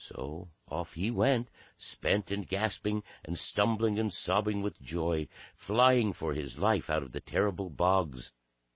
So off he went; spent and gasping, and stumbling and sobbing with joy, flying for his life out of the terrible bogs.